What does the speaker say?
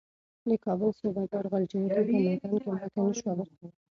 د کابل صوبه دار غلجیو ته په میدان کې ماتې نه شوه ورکولای.